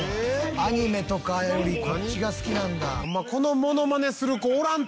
「アニメとかよりこっちが好きなんだ」